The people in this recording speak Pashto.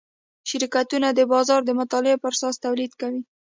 شرکتونه د بازار د مطالعې پراساس تولید کوي.